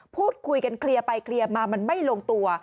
พูดคุยกันเคลียร์ไปเคลียร์มามันไม่ลงตัว